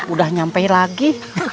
udah nyampe lagi